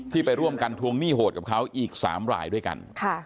ไปร่วมกันทวงหนี้โหดกับเขาอีก๓รายด้วยกัน